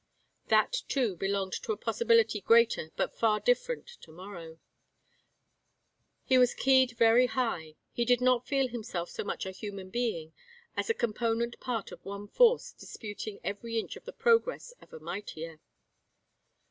That, too, belonged to a possibly greater but far different to morrow. He was keyed very high. He did not feel himself so much a human being as a component part of one force disputing every inch of the progress of a mightier.